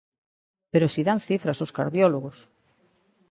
Pero si dan cifras os cardiólogos.